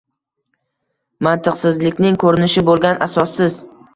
Mantiqsizlikning ko‘rinishi bo‘lgan asossiz